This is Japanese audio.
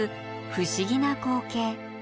不思議な光景。